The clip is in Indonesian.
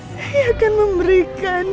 saya akan memberikan